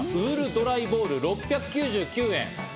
ウールドライボール、６９９円。